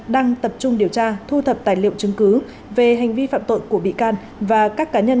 đang tập trung điều tra thu thập tài liệu chứng cứ về hành vi phạm tội của bị can và các cá nhân